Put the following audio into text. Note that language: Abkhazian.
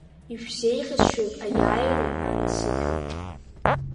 Ишәзеиӷьасшьоит аиааиреи анасыԥи!